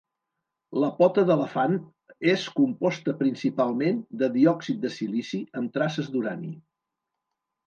La pota d'elefant és composta principalment de diòxid de silici amb traces d'urani.